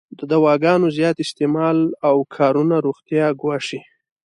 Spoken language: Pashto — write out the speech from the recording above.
د دواګانو زیات استعمال او کارونه روغتیا ګواښی.